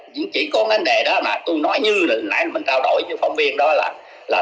chỉ có vấn đề đó mà tôi nói như lần nãy mình trao đổi với phòng viên đó là